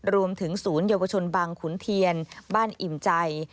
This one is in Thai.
ศูนย์เยาวชนบางขุนเทียนบ้านอิ่มใจ